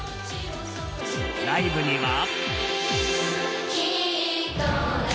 ライブには。